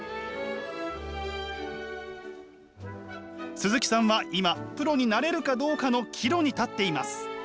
鈴木さんは今プロになれるかどうかの岐路に立っています。